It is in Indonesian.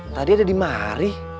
tadi ada di mari